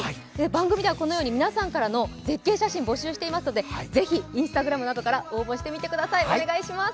番組では、このように皆さんからの絶景写真募集していますので、是非、Ｉｎｓｔａｇｒａｍなどから応募してみてください。